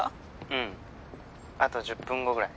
うんあと１０分後ぐらい。